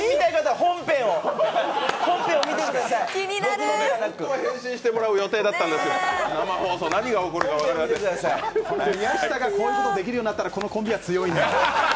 本当は変身してもらう予定だったんですけど、生放送、何が起こるか分かりません宮下がこういうことができるようになったら、このコンビは強いな。